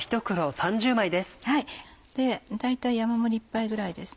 大体山盛り１杯ぐらいですね。